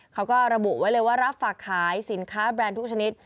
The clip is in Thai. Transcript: เขาก็ระบุไว้เลยว่ารับฝากขายสินค้าแบรนด์ทุกชนิด